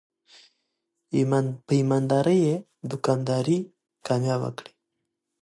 په ایماندارۍ یې دوکانداري کامیابه کړې.